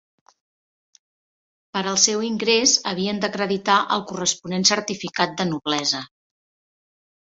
Per al seu ingrés, havien d'acreditar el corresponent certificat de noblesa.